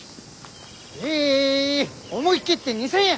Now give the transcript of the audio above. え思い切って２，０００円！